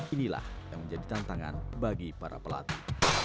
inilah yang menjadi tantangan bagi para pelatih